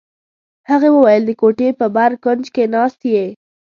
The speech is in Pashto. هغې وویل: د کوټې په بر کونج کې ناست یې.